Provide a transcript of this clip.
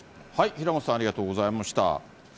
平本さん、ありがとうございました。